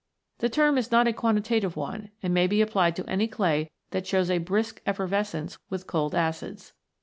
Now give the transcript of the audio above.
The term is not a quantitative one, and may be applied to any clay that shows a brisk effervescence with cold acids.